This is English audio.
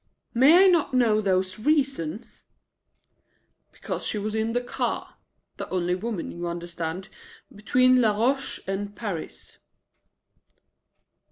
"May I not know those reasons?" "Because she was in the car the only woman, you understand between Laroche and Paris."